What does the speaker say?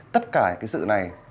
tất cả cái sự này